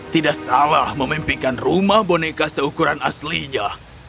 tidak salah memimpikan rumah boneka seukuran aslinya